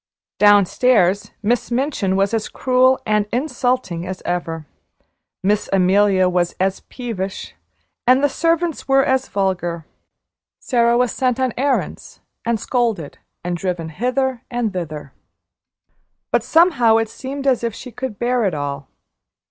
Downstairs Miss Minchin was as cruel and insulting as ever, Miss Amelia was as peevish, and the servants were as vulgar. Sara was sent on errands, and scolded, and driven hither and thither, but somehow it seemed as if she could bear it all.